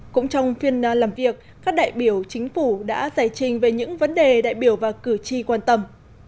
cũng trong phiên làm việc các đại biểu chính phủ đã giải trình về những vấn đề đại biểu và cử tri quan tâm